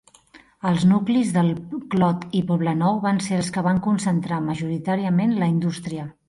Els nuclis del Clot i Poblenou van ser els que van concentrar majoritàriament la indústria.